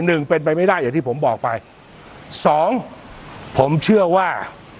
หนึ่งเป็นไปไม่ได้อย่างที่ผมบอกไปสองผมเชื่อว่า